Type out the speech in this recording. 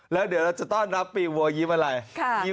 แล้วเดี๋ยวเราจะต้อนรับปีวัวยิ้มอะไรยิ้ม